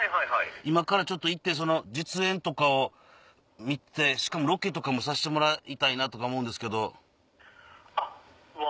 今から行って実演とかを見てしかもロケとかもさせてもらいたいと思うんです。